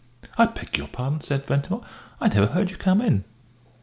"I beg your pardon," said Ventimore; "I never heard you come in."